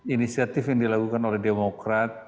inisiatif yang dilakukan oleh demokrat